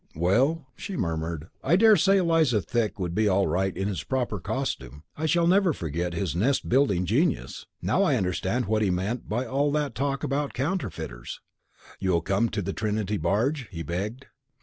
"Well," she murmured, "I dare say Eliza Thick would be all right in his proper costume. I shall never forget his nest building genius! Now I understand what he meant by all that talk about counterfeiters." "You will come to the Trinity barge?" he begged.